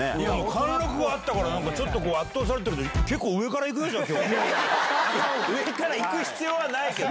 貫禄があったから、ちょっとこう、圧倒されたけど、上からいく必要はないけど。